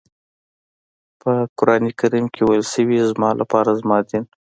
په قرآن کریم کې ويل شوي زما لپاره زما دین.